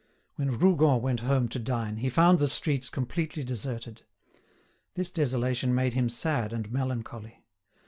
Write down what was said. When Rougon went home to dine, he found the streets completely deserted. This desolation made him sad and melancholy.